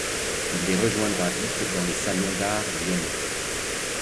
Il les rejoindra vite dans les salons d'art lyonnais.